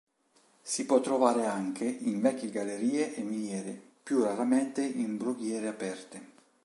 Si può trovare anche in vecchie gallerie e miniere, più raramente in brughiere aperte.